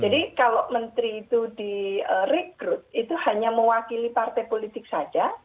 kalau menteri itu direkrut itu hanya mewakili partai politik saja